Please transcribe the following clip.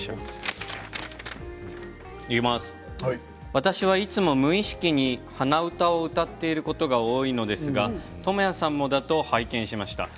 私はいつも無意識に鼻歌を歌っていることが多いのですが倫也さんもだと拝見しました。